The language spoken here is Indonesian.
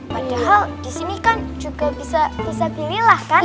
padahal disini kan juga bisa pilihlah kan